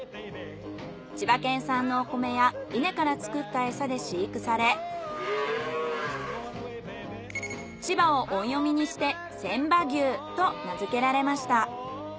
千葉県産のお米や稲から作ったエサで飼育され千葉を音読みにしてせんば牛と名づけられました。